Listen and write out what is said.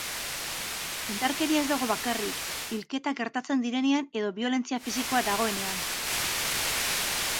Indarkeria ez dago bakarrik hilketak gertatzen direnean edo biolentzia fisikoa dagoenean.